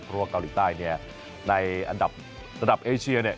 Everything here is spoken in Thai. เพราะว่าเกาหลีใต้เนี่ยในอันดับระดับเอเชียเนี่ย